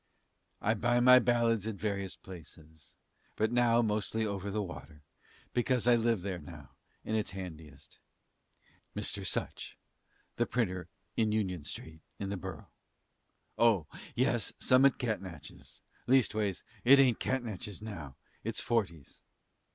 I buy my ballads at various places but now mostly over the water, because I live there now and it's handiest. Mr. Such, the printer, in Union street in the Borough. Oh! yes, some at Catnach's leastways, it ain't Catnach's now, it's Fortey's.